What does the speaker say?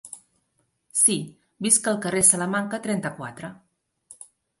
Sí, visc a carrer Salamanca, trenta-quatre.